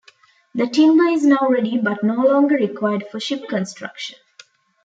The timber is now ready but no longer required for ship construction.